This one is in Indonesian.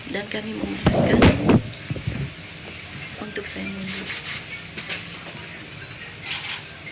dan kami memutuskan untuk saya mundur